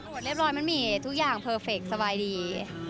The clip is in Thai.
อุปนธ์เรียบร้อยมันมีทุกอย่างเพอร์เฟกต์สวายดี